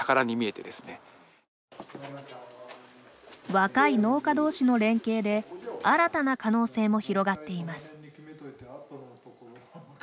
若い農家同士の連携で新たな可能性も広がっています。